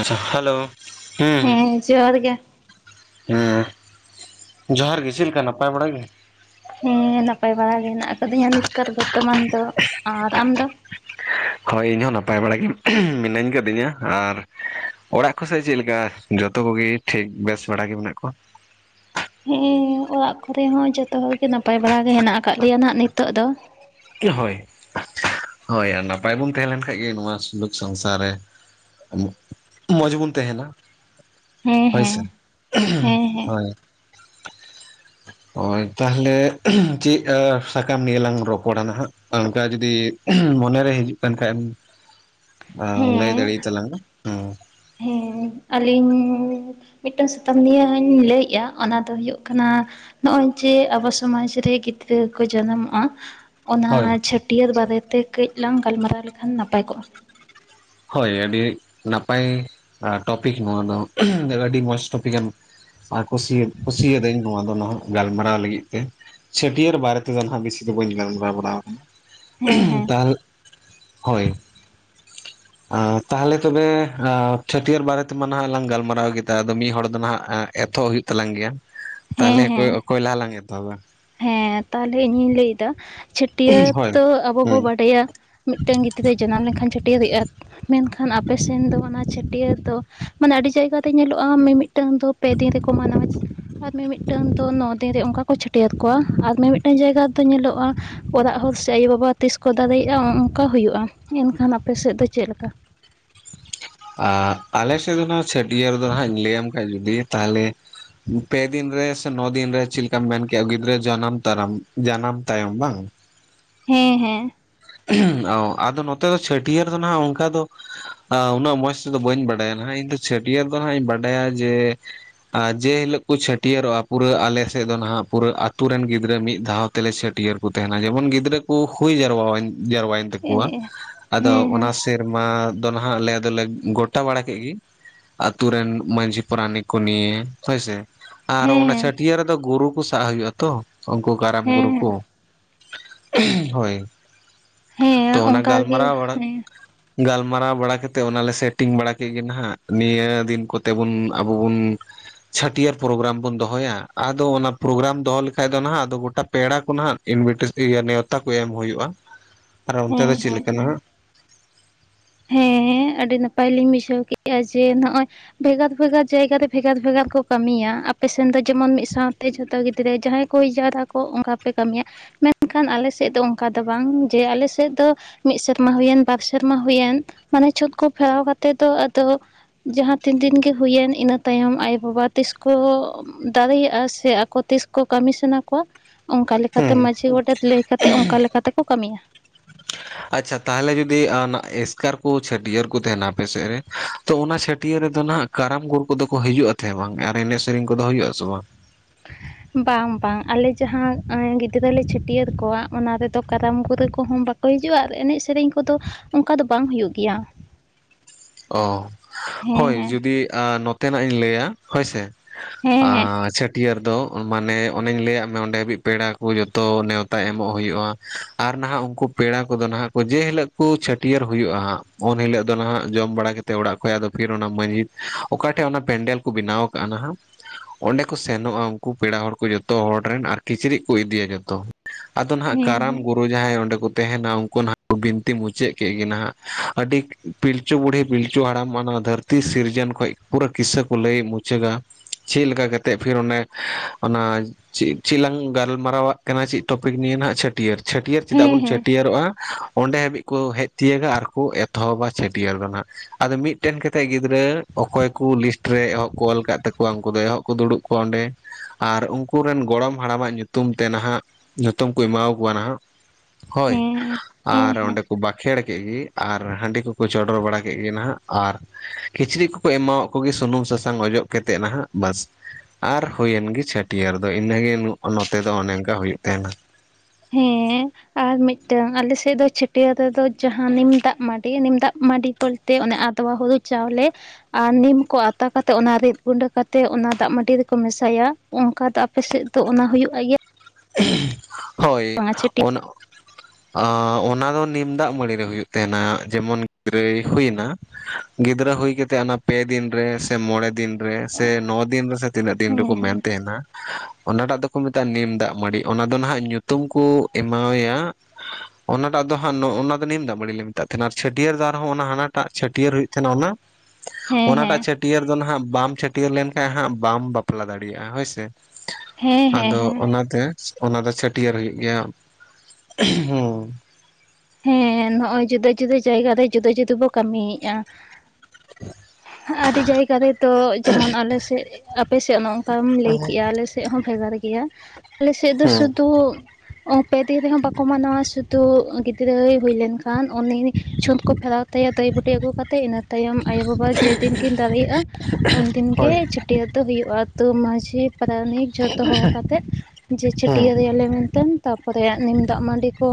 ᱟᱪᱪᱷᱟ ᱦᱮᱞᱳ, ᱦᱩᱸ᱾ ᱦᱮᱸ ᱡᱚᱦᱟᱨ ᱜᱮ ᱦᱮᱸ ᱡᱚᱦᱟᱨ ᱜᱮ ᱾ᱪᱮᱫ ᱞᱮᱠᱟ ᱱᱟᱯᱟᱭ ᱵᱟᱲᱟᱭ ᱜᱮ? ᱦᱮᱸ ᱱᱟᱯᱟᱭ ᱵᱟᱲᱟ ᱜᱮ ᱦᱮᱱᱟᱜ ᱟᱠᱟ ᱫᱤᱧᱟ ᱱᱤᱛᱠᱟᱨ ᱵᱚᱨᱛᱚᱢᱟᱱ ᱫᱚ᱾ ᱟᱨ ᱟᱢ ᱫᱚ? ᱦᱳᱭ ᱤᱧᱦᱚᱸ ᱱᱟᱯᱟᱭ ᱵᱟᱲᱟ ᱜᱮ ᱢᱤᱱᱟᱹᱧ ᱠᱟᱹᱫᱤᱧᱟ ᱟᱨ ᱚᱲᱟᱜ ᱠᱚᱥᱮᱫ ᱪᱮᱫ ᱞᱮᱠᱟ ᱡᱚᱛᱚ ᱠᱚᱜᱮ ᱴᱷᱤᱠ ᱵᱮᱥ ᱵᱟᱲᱟ ᱜᱮ ᱢᱮᱱᱟᱜ ᱠᱚᱣᱟ? ᱦᱮᱸ ᱚᱲᱟᱜ ᱠᱚᱨᱮ ᱦᱚᱸ ᱡᱚᱛᱚ ᱦᱚᱲ ᱜᱮ ᱱᱟᱯᱟᱭ ᱵᱟᱲᱟ ᱜᱮ ᱦᱮᱱᱟᱜ ᱟᱠᱟᱫ ᱞᱮᱭᱟ ᱱᱟᱜ ᱱᱤᱛᱚᱜ ᱫᱚ᱾ ᱦᱳᱭ ᱦᱳᱭ ᱱᱟᱯᱟᱭ ᱵᱚᱱ ᱛᱟᱦᱮᱸ ᱞᱮᱱᱠᱷᱟᱱ ᱜᱮ ᱱᱚᱣᱟ ᱥᱩᱡᱳᱜᱽ ᱥᱚᱝᱥᱟᱨ ᱨᱮ ᱢᱚᱡᱽ ᱵᱚᱱ ᱦᱮᱸ ᱛᱟᱦᱮᱱᱟ᱾ᱦᱳᱭ ᱦᱮᱸ ᱥᱮ ᱦᱮᱸ ᱦᱮᱸ ᱦᱳᱭ᱾ ᱦᱳᱭ ᱛᱟᱦᱚᱞᱮ ᱪᱮᱫ ᱥᱟᱠᱟᱢ ᱱᱤᱭᱟᱹᱮ ᱞᱟᱝ ᱨᱚᱯ ᱨᱚᱯᱚᱲ ᱱᱟᱦᱟᱜ, ᱚᱱᱠᱟ ᱡᱩᱫᱤ ᱢᱚᱱᱮᱨᱮ ᱦᱤᱡᱩᱜ ᱠᱟᱱ ᱠᱷᱟᱭ ᱚ ᱞᱟᱹᱭ ᱦᱮᱸ ᱫᱟᱲᱤ ᱪᱟᱞᱟᱝ ᱦᱮᱸ ᱦᱮᱸ, ᱟᱹᱞᱤᱧ ᱢᱤᱫᱴᱟᱝ ᱥᱟᱛᱟᱢ ᱱᱤᱭᱮᱧ ᱞᱟᱹᱭᱮᱜᱼᱟ᱾ ᱚᱱᱟ ᱫᱚ ᱦᱩᱭᱩᱜ ᱠᱟᱱᱟ ᱱᱚᱜᱼᱚᱭ ᱡᱮ ᱟᱵᱚ ᱥᱚᱢᱟᱡᱽ ᱨᱮ ᱜᱤᱫᱽᱨᱟᱹ ᱠᱚ ᱡᱟᱱᱟᱢᱚᱜᱼᱟ᱾ ᱚᱱᱟ ᱦᱳᱭ ᱪᱷᱟᱹᱴᱤᱭᱟᱹᱨ ᱵᱟᱨᱮ ᱛᱮ ᱠᱟᱹᱡ ᱞᱟᱝ ᱜᱟᱞᱢᱟᱨᱟᱣ ᱞᱮᱠᱷᱟᱱ ᱱᱟᱯᱟᱭ ᱠᱚᱜᱼᱟ᱾ ᱦᱳᱭ, ᱟᱹᱰᱤ ᱱᱟᱯᱟᱭ ᱴᱚᱯᱤᱠ ᱱᱚᱣᱟ ᱫᱚ ᱟᱹᱰᱤ ᱢᱚᱸᱡᱽ ᱴᱚᱯᱤᱠ ᱮᱢ ᱟᱨ ᱠᱩᱥᱤ ᱠᱩᱥᱤᱭᱟᱫᱟᱹᱧ ᱱᱚᱣᱟ ᱫᱚ ᱱᱟᱦᱟᱜ ᱜᱟᱞᱢᱟᱨᱟᱣ ᱞᱟᱹᱜᱤᱫ ᱛᱮ ᱪᱷᱟᱹᱴᱭᱟᱹᱨ ᱵᱟᱨᱮ ᱛᱮᱫᱚ ᱱᱟᱦᱟᱜ ᱵᱮᱥᱤ ᱫᱚ ᱵᱟᱹᱧ ᱜᱟᱞᱢᱟᱨᱟᱣ ᱵᱟᱲᱟᱣ ᱟᱠᱟᱱᱟ᱾ ᱦᱮᱸ ᱦᱮᱸ ᱛᱟᱦᱞᱮ, ᱦᱳᱭ᱾ ᱛᱟᱦᱞᱮ ᱛᱚᱵᱮ ᱪᱷᱟᱹᱴᱭᱟᱹᱨ ᱵᱟᱨᱮ ᱛᱮᱢᱟ ᱱᱟᱦᱟᱜ ᱞᱟᱝ ᱜᱟᱞᱢᱟᱨᱟᱣ ᱠᱮᱫᱟ, ᱟᱫᱚ ᱢᱤᱫ ᱦᱚᱲ ᱫᱚ ᱱᱟᱦᱟᱜ ᱮᱛᱚᱦᱚᱵ ᱦᱩᱭᱩᱜ ᱛᱟᱞᱟᱝ ᱜᱮᱭᱟ᱾ [inaudible] ᱛᱟᱦᱞᱮ ᱚᱠᱚᱭ ᱦᱮᱸ ᱚᱠᱚᱭ ᱞᱟᱦᱟᱞᱟᱝ ᱮ ᱦᱚᱵᱽᱼᱟ? ᱦᱮᱸ ᱛᱟᱦᱞᱮ ᱤᱧᱤᱧ ᱞᱟᱹᱭ ᱮᱫᱟ, ᱪᱷᱟᱹᱴᱭᱟᱹᱨ ᱦᱳᱭ ᱛᱚ ᱟᱵᱚ ᱵᱚ ᱦᱩᱸ ᱵᱟᱰᱟᱭᱟ ᱢᱤᱫᱴᱟᱝ ᱜᱤᱫᱽᱨᱟᱹᱭ ᱡᱟᱱᱟᱢ ᱞᱮᱱᱠᱷᱟᱱ ᱪᱷᱟᱹᱴᱭᱟᱹᱨ ᱨᱮᱼᱟᱜ ᱢᱮᱱᱠᱷᱟᱱ ᱟᱯᱮ ᱥᱮᱱ ᱫᱚ ᱚᱱᱟ ᱪᱷᱟᱹᱴᱭᱟᱹᱨ ᱫᱚ ᱢᱟᱱᱮ ᱟᱹᱰᱤ ᱡᱟᱭᱜᱟ ᱨᱮ ᱧᱮᱞᱚᱜᱼᱟ, ᱢᱤᱢᱤᱫᱴᱟᱝ ᱫᱚ ᱯᱮ ᱫᱤᱱ ᱨᱮᱠᱚ ᱢᱟᱱᱟᱣᱮ ᱟᱨ ᱢᱤᱢᱤᱫᱴᱟᱝ ᱫᱚ ᱱᱚ ᱫᱤᱱ ᱨᱮ ᱚᱱᱠᱟ ᱠᱚ ᱪᱷᱟᱴ ᱭᱟᱹᱨ ᱠᱚᱣᱟ ᱟᱨ ᱢᱤᱢᱤᱫᱴᱟᱝ ᱡᱟᱭᱜᱟ ᱨᱮ ᱫᱚ ᱧᱮᱞᱚᱜᱼᱟ᱾ ᱚᱲᱟᱜ ᱦᱚᱲ ᱥᱮ ᱟᱭᱳᱼᱵᱟᱵᱟ ᱛᱤᱥ ᱠᱚ ᱫᱟᱲᱮᱭᱟᱜᱼᱟ᱾ ᱚᱱᱠᱟ ᱦᱩᱭᱩᱜᱼᱟ᱾ ᱮᱱᱠᱷᱟᱱ ᱟᱯᱮ ᱥᱮᱫ ᱫᱚ ᱪᱮᱫ ᱞᱮᱠᱟ? ᱟᱨ ᱟᱞᱮ ᱥᱮᱫ ᱫᱚ ᱦᱟᱸᱜ ᱪᱷᱟᱹᱴᱭᱟᱹᱨ ᱨᱮᱫᱚ ᱦᱟᱸᱜ ᱤᱧ ᱞᱟᱹᱭᱟᱢ ᱠᱷᱟ ᱡᱩᱫᱤ ᱛᱟᱦᱞᱮ ᱯᱮ ᱫᱤᱱ ᱨᱮ ᱥᱮ ᱱᱚ ᱫᱤᱱ ᱨᱮ ᱪᱮᱫ ᱞᱮᱠᱟᱢ ᱢᱮᱱ ᱠᱮᱭᱟ ᱜᱤᱫᱽᱨᱟᱹ ᱡᱟᱱᱟᱢ ᱛᱟᱨᱟᱢ ᱡᱟᱱᱟᱢ ᱛᱟᱭᱚᱢ ᱵᱟᱝ? ᱦᱮᱸ, ᱦᱮᱸ᱾ ᱚ ᱟᱫᱚ ᱱᱚᱛᱮ ᱫᱚ ᱪᱷᱟᱹᱴᱭᱟᱹᱨ ᱫᱚ ᱱᱟᱜ ᱚᱱᱠᱟ ᱫᱚ ᱩᱱᱟᱹᱜ ᱢᱚᱸᱡᱽ ᱛᱮᱫᱚ ᱵᱟᱹᱧ ᱵᱟᱰᱟᱭᱟ ᱱᱟᱜ, ᱤᱧ ᱫᱚ ᱪᱷᱟᱹᱴᱭᱟᱹᱨ ᱫᱚ ᱦᱟᱜ ᱤᱧ ᱵᱟᱰᱟᱭᱟ ᱡᱮ, ᱟᱨ ᱡᱮ ᱦᱤᱞᱳᱜ ᱠᱚ ᱪᱷᱟᱹᱴᱭᱟᱹᱨᱚᱜ-ᱟ, ᱯᱩᱨᱟᱹ ᱟᱞᱮᱥᱮᱫ ᱫᱚ ᱱᱟᱦᱟᱜ ᱯᱩᱨᱟᱹ ᱟᱹᱛᱩ ᱨᱮᱱ ᱜᱤᱫᱽᱨᱟᱹ ᱢᱤᱫ ᱫᱷᱟᱣ, ᱛᱮᱞᱮ ᱪᱷᱟᱹᱴᱭᱟᱹᱨ ᱠᱚ ᱛᱟᱦᱮᱱᱟ᱾ ᱡᱮᱢᱚᱱ ᱜᱤᱫᱽᱨᱟᱹ ᱠᱚ ᱦᱩᱭ ᱡᱟᱨᱣᱟᱭᱮᱱ, ᱛᱟᱠᱚᱣᱟ᱾ ᱦᱮᱸ ᱟᱫᱚ ᱦᱮᱸ ᱦᱮᱸ ᱚᱱᱟ ᱥᱮᱨᱢᱟ ᱫᱚ ᱱᱟᱜ ᱞᱮ ᱟᱞᱮ ᱫᱚᱞᱮ ᱜᱚᱴᱟ ᱵᱟᱲᱟ ᱠᱮᱫ ᱜᱮ, ᱟᱹᱛᱩ ᱨᱮᱱ ᱢᱟᱹᱡᱷᱤ ᱯᱟᱨᱟᱱᱤᱠ ᱠᱚ ᱩᱱᱤᱭ ᱦᱳᱭ ᱥᱮ, ᱟᱨ ᱦᱮᱸ ᱚᱱᱟ ᱦᱮᱸ ᱪᱷᱟᱹᱴᱭᱟᱹᱨ ᱨᱮᱫᱚ ᱜᱩᱨᱩ ᱠᱚ ᱥᱟᱵ ᱦᱩᱭᱩᱜᱼᱟ ᱛᱚ ᱩᱱᱠᱩ ᱠᱟᱨᱟᱢ ᱜᱩᱨᱩ ᱠᱚ ᱦᱮᱸ ᱦᱳᱭ, ᱦᱮᱸ ᱛᱚ ᱚᱱᱟ ᱚᱱᱠᱟ ᱜᱮ ᱜᱟᱞᱢᱟᱨᱟᱣ ᱵᱟᱲᱟ ᱦᱮᱸ ᱜᱟᱞᱢᱟᱨᱟᱣ ᱵᱟᱲᱟ ᱠᱟᱛᱮᱫ ᱚᱱᱟ ᱞᱮ ᱥᱮᱴᱤᱝ ᱵᱟᱲᱟ ᱠᱮᱫ ᱜᱮ ᱱᱟᱦᱟᱜ ᱱᱤᱭᱟᱹ ᱫᱤᱱ ᱠᱚᱛᱮ ᱵᱚᱱ ᱟᱵᱚ ᱵᱚᱱ ᱪᱷᱟᱹᱴᱭᱟᱹᱨ ᱯᱨᱳᱜᱨᱟᱢ ᱵᱚᱱ ᱫᱚᱦᱚᱭᱟ᱾ ᱟᱫᱚ ᱚᱱᱟ ᱯᱨᱳᱜᱨᱟᱢ ᱫᱚᱦᱚ ᱞᱮᱠᱷᱟᱟᱱ ᱫᱚ ᱱᱟᱦᱟᱜ ᱟᱫᱚ ᱜᱚᱴᱟ ᱯᱮᱲᱟ ᱠᱚ ᱱᱟᱦᱟᱜ ᱤᱱᱵᱷᱤᱴᱮᱥᱚᱱ ᱱᱮᱣᱛᱟ ᱠᱚ ᱮᱢ ᱦᱳᱭᱳᱜ-ᱟ, ᱟᱨ ᱚᱱᱛᱮ ᱦᱮᱸ ᱫᱚ ᱪᱮᱫ ᱦᱮᱸ ᱞᱮᱠᱟ ᱱᱟᱜ ᱦᱮᱸ ᱟᱹᱰᱤ ᱱᱟᱯᱟᱭᱞᱤᱧ ᱵᱩᱡᱷᱟᱹᱣ ᱠᱮᱫᱟ ᱡᱮ ᱱᱚᱜᱼᱚᱭ, ᱵᱷᱮᱜᱟᱨ ᱵᱷᱮᱜᱟᱨ ᱡᱟᱭᱜᱟ ᱨᱮ ᱵᱷᱮᱜᱟᱨ ᱵᱷᱮᱜᱟᱨ ᱠᱚ ᱠᱟᱹᱢᱤᱭᱟ᱾ ᱟᱯᱮ ᱥᱮᱱ ᱫᱚ ᱡᱮᱢᱚᱱ ᱢᱤᱫ ᱥᱟᱶᱛᱮ ᱡᱚᱛᱚ ᱜᱤᱫᱽᱨᱟᱹ ᱡᱟᱸᱦᱟᱭ ᱠᱚᱭ ᱡᱟᱣᱨᱟ ᱠᱚ ᱚᱱᱠᱟ ᱯᱮ ᱠᱟᱹᱢᱤᱭᱟ᱾ ᱢᱮᱱᱠᱷᱟᱱ ᱟᱞᱮ ᱥᱮᱫ ᱫᱚ ᱚᱱᱠᱟ ᱫᱚ ᱵᱟᱝ ᱡᱮ ᱟᱞᱮ ᱥᱮᱫ ᱫᱚ ᱢᱤᱫ ᱥᱮᱨᱢᱟ ᱦᱩᱭᱮᱱ ᱵᱟᱨ ᱥᱮᱨᱢᱟ ᱦᱩᱭ ᱮᱱ ᱦᱩᱭᱮᱱ, ᱢᱟᱱᱮ ᱪᱷᱩᱸᱛ ᱠᱚ ᱯᱷᱮᱲᱟᱣ ᱠᱟᱛᱮ ᱫᱚ ᱟᱫᱚ ᱡᱟᱸᱦᱟ ᱛᱤᱱ ᱫᱤᱱ ᱜᱮ ᱦᱩᱭᱮᱱ, ᱤᱱᱟᱹ ᱛᱟᱭᱚᱢ ᱟᱭᱳ-ᱵᱟᱵᱟ ᱛᱤᱥ ᱠᱚ, ᱫᱟᱲᱮᱭᱟᱜ-ᱟ᱾ ᱥᱮ ᱟᱠᱚ ᱛᱤᱥ ᱠᱚ ᱠᱟᱹᱢᱤ ᱥᱟᱱᱟ ᱠᱚᱣᱟ᱾ ᱚᱱᱠᱟ ᱞᱮᱠᱟᱛᱮ ᱦᱮᱸ ᱢᱟᱺᱡᱷᱤ ᱜᱚᱰᱮᱛ ᱞᱟᱹᱭ ᱠᱟᱛᱮ, ᱚᱱᱠᱟ ᱞᱮᱠᱟ ᱛᱮᱠᱚ ᱠᱟᱹᱢᱤᱭᱟ᱾ ᱟᱪᱪᱷᱟ ᱛᱟᱦᱚᱞᱮ ᱡᱩᱫᱤ ᱱᱟᱜ ᱮᱥᱠᱟᱨ ᱠᱚ ᱪᱷᱟᱹᱴᱭᱟᱹᱨ ᱠᱚ ᱛᱟᱸᱦᱮᱱᱟ, ᱟᱯᱮᱥᱮᱫ ᱨᱮ ᱛᱚ ᱚᱱᱟ ᱪᱷᱟᱹᱴᱭᱟᱹᱨ ᱨᱮᱫᱚ ᱱᱟᱜ ᱠᱟᱨᱟᱢ ᱜᱩᱨᱩ ᱠᱚᱫᱚ ᱠᱚ ᱦᱤᱡᱩᱜᱼᱟ ᱛᱟᱦᱮᱜ ᱥᱮ ᱵᱟᱝ ᱜᱮ ᱟᱨ ᱮᱱᱮᱡ ᱥᱮᱨᱮᱧ ᱠᱚᱫᱚ ᱦᱩᱭᱩᱜ ᱟᱥᱮ ᱵᱟᱝ? [inaudible] ᱵᱟᱝ ᱵᱟᱝ ᱟᱞᱮ ᱡᱟᱸᱦᱟ ᱜᱤᱫᱽᱨᱟᱹ ᱞᱮ ᱪᱷᱟᱹᱴᱭᱟᱹᱨ ᱠᱚᱣᱟ ᱚᱱᱟ ᱨᱮᱫᱚ ᱠᱟᱨᱟᱢ ᱜᱩᱨᱩ ᱠᱚᱦᱚᱸ ᱵᱟᱠᱚ, ᱚᱭᱡᱚ ᱟᱨ ᱮᱱᱮᱜ ᱥᱮᱨᱮᱧ ᱠᱚᱫᱚ ᱚᱱᱠᱟ ᱫᱚ ᱵᱟᱝ ᱦᱩᱭᱩᱜ ᱜᱮᱭᱟ᱾ ᱚ ᱦᱮᱸ ᱦᱳᱭ ᱦᱮᱸ ᱡᱩᱫᱤ ᱟᱸ ᱱᱚᱛᱮᱱᱟᱜ ᱤᱧ ᱞᱟᱹᱭᱟ ᱦᱳᱭᱥᱮ, ᱦᱮᱸ ᱟᱸᱻ ᱪᱷᱟᱹ ᱴᱭᱟᱹᱨ ᱫᱚ ᱢᱟᱱᱮ ᱚᱱᱮᱧ ᱞᱟᱹᱭ ᱢᱮ ᱚᱸᱰᱮ ᱦᱟᱹᱵᱤᱜ ᱯᱮᱲᱟ ᱠᱚ ᱡᱚᱛᱚ ᱱᱮᱣᱛᱟ ᱮᱢᱚᱜ ᱦᱩᱭᱩᱜ-ᱟ᱾ ᱟᱨ ᱱᱟᱦᱟᱸᱜ ᱩᱱᱠᱩ ᱯᱮᱲᱟ ᱠᱚᱫᱚ ᱱᱟᱦᱟᱸᱜ ᱠᱚ ᱡᱮ ᱦᱤᱞᱟᱹᱜ ᱠᱚ ᱪᱷᱟᱹᱴᱭᱟᱹᱨ ᱦᱩᱭᱩᱜ-ᱟ ᱦᱟᱸᱜ ᱩᱱ ᱦᱤᱞᱟᱹᱜ ᱫᱚ ᱱᱟᱦᱟᱸᱜ, ᱡᱚᱢ ᱵᱟᱲᱟ ᱠᱟᱛᱮᱜ ᱚᱲᱟᱜ ᱠᱷᱚᱭ ᱟᱫᱚ ᱯᱷᱤᱨ ᱚᱱᱟ ᱢᱟᱺᱡᱷᱤ ᱚᱠᱟ ᱴᱷᱮᱜ ᱚᱱᱟ ᱯᱮᱸᱱᱰᱮᱞ ᱠᱚ ᱵᱮᱱᱟᱣ ᱠᱟᱜ-ᱟ ᱱᱟᱦᱟᱸᱜ, ᱚᱸᱰᱮ ᱠᱚ ᱥᱮᱱᱚᱜ-ᱟ ᱩᱱᱠᱩ ᱯᱮᱲᱟ ᱦᱚᱲ ᱠᱚ ᱡᱚᱛᱚ ᱦᱚᱲ ᱨᱮᱱ ᱟᱨ ᱠᱤᱪᱨᱤᱡ ᱠᱚ ᱤᱫᱤᱭᱟ ᱡᱚᱛᱚ᱾ ᱟᱫᱚ ᱱᱟᱦᱟᱸᱜ ᱠᱟᱨᱟᱢ ᱦᱮᱸ ᱜᱩᱨᱩᱭ ᱡᱟᱸᱦᱟᱭ ᱚᱸᱰᱮ ᱠᱚ ᱛᱟᱦᱮᱸᱱᱟ ᱩᱱᱠᱩ ᱱᱟᱜ ᱠᱚ ᱵᱤᱱᱛᱤ ᱢᱩᱪᱟᱹᱫ ᱠᱮᱜ ᱜᱮ ᱱᱟᱦᱟᱸᱜ ᱟᱹᱰᱤ, ᱯᱤᱞᱪᱩ ᱵᱩᱲᱦᱤ ᱯᱤᱞᱪᱩ ᱦᱟᱲᱟᱢ ᱚᱱᱟ ᱫᱷᱟᱹᱨᱛᱤ ᱥᱤᱨᱡᱚᱱ ᱠᱷᱚᱭ ᱯᱩᱨᱟᱹ ᱠᱤᱥᱟᱹ ᱠᱚ ᱞᱟᱹᱭ ᱢᱩᱪᱟᱹᱫᱟ᱾ ᱪᱮᱜ ᱞᱮᱠᱟ ᱠᱟᱛᱮᱜ ᱯᱷᱤᱨ ᱚᱱᱮ ᱚᱱᱟᱡ ᱪᱮᱜ ᱪᱮᱜ ᱞᱟᱝ ᱜᱟᱞᱢᱟᱨᱟᱣᱟᱜ ᱠᱟᱱᱟ ᱪᱮᱫ ᱴᱚᱯᱤᱠ ᱱᱤᱭᱮ ᱱᱟᱦᱟᱸᱜ ᱪᱷᱟᱹᱴᱭᱟᱹᱨ, ᱪᱷᱟᱹᱴᱭᱟᱹᱨ ᱪᱮᱫᱟᱜ ᱦᱮᱸ ᱵᱚᱱ ᱦᱮᱸ ᱦᱮᱸ ᱪᱷᱟᱹᱴᱭᱟᱹᱨᱚᱜ-ᱟ ᱚᱸᱰᱮ ᱦᱟᱹᱵᱤᱜ ᱠᱚ ᱦᱮᱡ ᱛᱤᱭᱟᱜᱟ ᱟᱨ ᱠᱚ ᱮᱛᱚᱦᱚᱵᱟ ᱪᱷᱟᱹᱴᱭᱟᱹᱨ ᱫᱚ ᱱᱟᱦᱟᱸᱜ᱾ ᱟᱫᱚ ᱢᱤᱜᱴᱮᱱ ᱠᱟᱛᱮᱜ ᱜᱤᱫᱽᱨᱟᱹ ᱚᱠᱚᱭ ᱠᱚ ᱞᱤᱥᱴ ᱨᱮ ᱮᱦᱚᱵ ᱠᱚ ᱚᱞ ᱠᱟᱜ ᱛᱟᱠᱚᱣᱟ ᱩᱱᱠᱩ ᱫᱚ ᱮᱦᱚᱵ ᱠᱚ ᱫᱩᱲᱩᱵ ᱠᱚᱭᱟ ᱚᱸᱰᱮ ᱟᱨ ᱩᱱᱠᱩᱨᱮᱱ ᱜᱚᱲᱚᱢ ᱦᱟᱲᱟᱢᱟᱜ ᱧᱩᱛᱩᱢ ᱛᱮ ᱱᱟᱦᱟᱸᱜ ᱧᱩᱛᱩᱢ ᱠᱚ ᱮᱢᱟᱣ ᱠᱚᱣᱟ ᱱᱟᱦᱟᱸᱜ, ᱦᱳᱭ ᱦᱮᱸ ᱟᱨ ᱦᱮᱸ ᱦᱮᱸ ᱚᱸᱰᱮ ᱠᱚ ᱵᱟᱸᱠᱷᱮᱲ ᱠᱮᱜ ᱜᱮ ᱟᱨ ᱦᱟᱺᱰᱤ ᱠᱚ, ᱠᱚ ᱪᱚᱰᱚᱨ ᱵᱟᱲᱟ ᱠᱮᱜ ᱜᱮ ᱱᱟᱦᱟᱸᱜ ᱟᱨ ᱠᱤᱪᱨᱤᱜ ᱠᱚᱠᱚ ᱮᱢᱟᱣᱟᱜ ᱠᱚᱜᱮ ᱥᱩᱱᱩᱢ ᱥᱟᱥᱟᱝ ᱚᱡᱚᱜ ᱠᱟᱛᱮᱜ ᱱᱟᱦᱟᱸᱜ ᱵᱟᱥ᱾ ᱟᱨ ᱦᱩᱭᱮᱱ ᱜᱮ ᱪᱷᱟᱹᱴᱭᱟᱹᱨ ᱫᱚ ᱤᱱᱟᱹᱜᱮ ᱱᱚᱛᱮ ᱫᱚ ᱚᱱᱮ ᱚᱱᱠᱟ ᱦᱩᱭᱩᱜ ᱛᱟᱦᱮᱸᱱᱟ᱾ ᱦᱮᱸ ᱟᱨ ᱢᱤᱜᱴᱟᱝ ᱟᱞᱮᱥᱮᱜ ᱫᱚ ᱪᱷᱟᱹᱴᱭᱟᱹᱨ ᱨᱮᱫᱚ ᱡᱟᱦᱟᱸ ᱱᱤᱢ ᱫᱟᱜᱽ ᱢᱟᱹᱰᱤ ᱱᱤᱢ ᱫᱟᱜᱽ ᱢᱟᱹᱰᱤ, ᱵᱚᱞᱛᱮ ᱚᱱᱮ ᱟᱫᱣᱟ ᱦᱩᱲᱩ ᱪᱟᱣᱞᱮ, ᱟᱨ ᱱᱤᱢ ᱠᱚ ᱟᱛᱟ ᱠᱟᱛᱮᱫ ᱚᱱᱟ ᱨᱤᱫ ᱜᱩᱸᱰᱟᱹ ᱠᱟᱛᱮᱫ ᱚᱱᱟ ᱫᱟᱜᱽ ᱢᱟᱹᱰᱤ ᱨᱮᱠᱚ ᱢᱮᱥᱟᱭᱟ᱾ ᱚᱝᱠᱟ ᱫᱚ ᱟᱯᱮᱥᱮᱜ ᱫᱚ ᱚᱱᱟ ᱦᱩᱭᱩᱜᱼᱟ ᱤᱭᱟᱹ ᱦᱳᱭ ᱪᱷᱟᱹᱴᱭᱟᱹᱨ ᱚᱱᱟ ᱟᱸ ᱚᱱᱟ ᱫᱚ ᱱᱤᱢ ᱫᱟᱜᱽ ᱢᱟᱹᱲᱤ ᱨᱮ ᱦᱩᱭᱩᱜ ᱛᱟᱸᱦᱮᱱᱟ ᱡᱮᱢᱚᱱ ᱜᱤᱫᱽᱨᱟᱹᱭ ᱦᱩᱭᱮᱱᱟ᱾ ᱜᱤᱫᱽᱨᱟᱹ ᱦᱩᱭ ᱠᱟᱛᱮᱜ ᱚᱱᱟ ᱯᱮ ᱫᱤᱱ ᱨᱮ ᱥᱮ ᱢᱚᱬᱮ ᱫᱤᱱ ᱨᱮ ᱥᱮ ᱱᱚ ᱫᱤᱱ ᱨᱮ ᱥᱮ ᱛᱤᱱᱟᱹᱜ ᱫᱤᱱ ᱨᱮᱠᱚ ᱦᱮᱸ ᱦᱮᱸ ᱢᱮᱱ ᱛᱟᱦᱮᱸᱱᱟ ᱚᱱᱟᱴᱟᱜ ᱫᱚᱠᱚ ᱢᱮᱛᱟᱜᱼᱟ ᱱᱤᱢ ᱫᱟᱜᱽ ᱢᱟᱹᱰᱤ ᱚᱱᱟ ᱫᱚ ᱱᱟᱦᱟᱸᱜ ᱧᱩᱛᱩᱢ ᱠᱚ ᱮᱢᱟᱣᱭᱟ ᱚᱱᱟᱴᱟᱜ ᱫᱚ ᱦᱟᱜᱽ ᱚᱱᱟ ᱫᱚ ᱱᱤᱢ ᱫᱟᱜᱽ ᱢᱟᱹᱲᱤ ᱞᱮ ᱢᱮᱛᱟᱜ ᱛᱟᱦᱮᱸᱱᱟ᱾ ᱟᱨ ᱪᱷᱟᱹᱴᱭᱟᱹᱨ ᱫᱚ ᱟᱨᱦᱚᱸ ᱚᱱᱟ ᱦᱟᱱᱟᱴᱟᱜ ᱪᱷᱟᱹᱴᱭᱟᱹᱨ ᱦᱩᱭᱩᱜ ᱛᱟᱦᱮᱸᱱᱟ ᱚᱱᱟ ᱦᱮᱸ ᱦᱮᱸ ᱚᱱᱟᱴᱟᱜ ᱪᱷᱟᱹᱴᱭᱟᱹᱨ ᱫᱚ ᱱᱟᱦᱟᱸᱜ ᱵᱟᱢ ᱪᱷᱟᱹᱴᱭᱟᱹᱨ ᱞᱮᱱᱠᱷᱟᱭ ᱦᱟᱸᱜ ᱵᱟᱢ ᱵᱟᱯᱞᱟ ᱫᱟᱲᱮᱭᱟᱜᱼᱟ ᱦᱳᱭ ᱥᱮ᱾ ᱦᱮᱸ ᱦᱮᱸ ᱟᱫᱚ ᱦᱮᱸ ᱚᱱᱟ ᱛᱮ ᱚᱱᱟ ᱫᱚ ᱪᱷᱟᱹᱴᱭᱟᱹᱨ ᱦᱩᱭᱩᱜ ᱜᱮᱭᱟ ᱦᱮᱸ, ᱦᱮᱸ ᱱᱚᱜᱼᱚᱸᱭ ᱡᱩᱫᱟᱹ ᱡᱩᱫᱟᱹ ᱡᱟᱭᱜᱟ ᱨᱮ ᱡᱩᱫᱟᱹ ᱡᱩᱫᱟᱹ ᱵᱚ ᱠᱟᱹᱢᱤᱭᱮᱜᱼᱟ᱾ ᱦᱮᱸ ᱟᱹᱰᱤ ᱡᱟᱭᱜᱟ ᱨᱮᱛᱚ ᱡᱮᱢᱚᱱ ᱟᱞᱮ ᱥᱮᱜ ᱟᱯᱮ ᱥᱮᱜ ᱱᱚᱜ ᱚᱝᱠᱟᱢ ᱞᱟᱹᱭ ᱠᱮᱜᱼᱟ ᱟᱞᱮ ᱥᱮᱫ ᱦᱚᱸ ᱵᱷᱮᱜᱟᱨ ᱜᱮᱭᱟ ᱟᱞᱮ ᱥᱮᱜ ᱫᱚ ᱦᱩᱸ ᱥᱩᱫᱩ, ᱚᱸ ᱯᱮ ᱫᱤᱱ ᱨᱮᱦᱚᱸ ᱵᱟᱠᱚ ᱢᱟᱱᱟᱣᱟ ᱥᱩᱫᱩ ᱜᱤᱫᱽ -ᱨᱟᱹᱭ ᱦᱩᱭ ᱞᱮᱱ ᱠᱷᱟᱱ ᱩᱱᱤ ᱪᱷᱩᱸᱛ ᱠᱚ ᱯᱷᱮᱨᱟᱣ ᱛᱟᱭᱟ ᱫᱟᱹᱭ ᱵᱩᱴᱷᱤ ᱟᱹᱜᱩ ᱠᱟᱛᱮᱱ ᱤᱱᱟᱹ ᱛᱟᱭᱚᱢ ᱟᱭᱳᱼᱵᱟᱵᱟ ᱡᱮᱫᱤᱱ ᱠᱤᱱ ᱫᱟᱲᱮᱭᱟᱜᱼᱟ ᱩᱱᱫᱤᱱ ᱜᱮ, ᱦᱳᱭ ᱪᱷᱟᱹᱴᱭᱟᱹᱨ ᱫᱚ ᱦᱩᱭᱩᱜᱼᱟ ᱛᱚ ᱢᱟᱺᱡᱷᱤ ᱯᱟᱨᱟᱱᱤᱠ ᱡᱷᱚᱛᱚ ᱦᱚᱦᱚ ᱠᱟᱛᱮᱜ ᱡᱮ ᱦᱩᱸ ᱪᱷᱟᱹᱴᱭᱟᱹᱨ ᱮᱭᱟᱞᱮ ᱢᱮᱱᱛᱮᱱ ᱛᱟᱯᱚᱨᱮ ᱱᱤᱢ ᱫᱟᱜᱽ ᱢᱟᱹᱰᱤ ᱠᱚ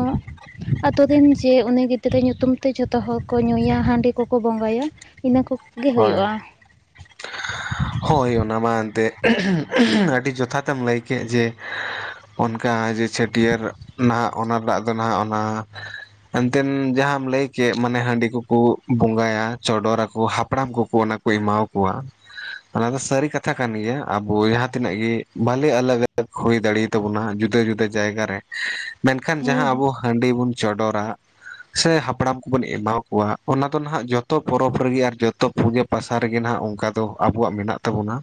ᱟᱛᱳ ᱨᱮᱱ ᱡᱮ ᱩᱱᱤ ᱜᱤᱫᱽᱨᱟᱹ ᱧᱩᱛᱩᱢ ᱛᱮ ᱡᱚᱛᱚ ᱦᱚᱲ ᱠᱚ ᱧᱩᱭᱟ ᱦᱟᱺᱰᱤ ᱠᱚᱠᱚ ᱵᱚᱸᱜᱟᱭᱟ᱾ ᱤᱱᱟᱹ ᱠᱚᱜᱮ ᱦᱳᱭ ᱦᱩᱭᱩᱜᱼᱟ᱾ ᱦᱳᱭ ᱚᱱᱟ ᱢᱟ ᱮᱱᱛᱮᱫ ᱟᱹᱰᱤ ᱡᱚᱛᱷᱟᱛ ᱮᱢ ᱞᱟᱹᱭ ᱠᱮᱫ ᱡᱮ ᱚᱱᱠᱟ ᱡᱮ ᱪᱷᱟᱹᱴᱭᱟᱹᱨ ᱱᱟᱸᱦ ᱚᱱᱟ ᱨᱮᱱᱟᱜ ᱫᱚ ᱱᱟᱦᱟᱸᱜ ᱚᱱᱟ ᱮᱱᱛᱮᱱ ᱡᱟᱦᱟᱸᱢ ᱞᱟᱹᱭ ᱠᱮᱫ ᱢᱟᱱᱮ ᱦᱟᱺᱰᱤ ᱠᱚᱠᱚ ᱵᱚᱸᱜᱟᱭᱟ ᱪᱚᱰᱚᱨ ᱟᱠᱚ ᱦᱟᱯᱲᱟᱢ ᱠᱚᱠᱚ ᱚᱱᱟ ᱠᱚ ᱮᱢᱟ ᱠᱚᱣᱟ ᱚᱱᱟ ᱫᱚ ᱥᱟᱹᱨᱤ ᱠᱟᱛᱷᱟ ᱠᱟᱱ ᱜᱮᱭᱟ ᱟᱵᱚ ᱡᱟᱦᱟᱸᱛᱤᱱᱟᱹᱜ ᱜᱮ ᱵᱷᱟᱞᱮ ᱟᱞᱟᱜ ᱟᱞᱟᱜ ᱦᱩᱭ ᱫᱟᱲᱮᱣᱟᱜ ᱛᱟᱵᱚᱱᱟ ᱡᱩᱫᱟᱹ ᱡᱩᱫᱟᱹ ᱡᱟᱭᱜᱟ ᱨᱮ ᱢᱮᱱᱠᱷᱟᱱ ᱡᱟᱦᱟᱸ ᱦᱮᱸ ᱟᱵᱚ ᱦᱟᱺᱰᱤ ᱵᱚᱱ ᱪᱚᱰᱚᱨᱟ ᱥᱮ ᱦᱟᱯᱲᱟᱢ ᱠᱚᱵᱚᱱ ᱮᱢᱟ ᱠᱚᱣᱟ ᱚᱱᱟ ᱫᱚ ᱦᱟᱜ ᱡᱚᱛᱚ ᱯᱚᱨᱚᱵᱽ ᱨᱮᱜᱮ ᱟᱨ ᱡᱚᱛᱚ ᱯᱩᱡᱟᱹ ᱯᱟᱥᱟ ᱨᱮᱜᱮ ᱱᱟᱜ ᱚᱱᱠᱟ ᱫᱚ ᱟᱵᱚᱣᱟᱜ ᱢᱮᱱᱟᱜ ᱛᱟᱵᱚᱱᱟ᱾